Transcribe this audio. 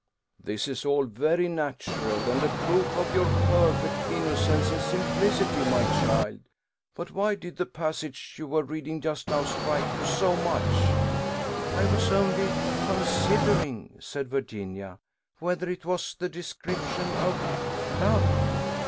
"This is all very natural, and a proof of your perfect innocence and simplicity, my child. But why did the passage you were reading just now strike you so much?" "I was only considering," said Virginia, "whether it was the description of love."